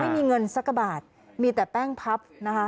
ไม่มีเงินสักกระบาทมีแต่แป้งพับนะคะ